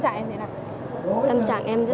lúc đấy tâm trạng em thế nào